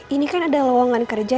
ini kan ada lowongan kerja